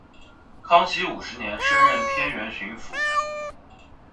康熙五十年升任偏沅巡抚。